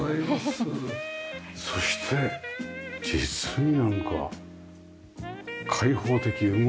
そして実になんか開放的動きやすい。